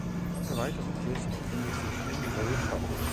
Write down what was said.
Eine weitere Kirche befindet sich in Wölkau.